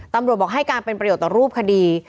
ตำรวจบอกให้การเป็นประโยชน์ต่อรูปคดี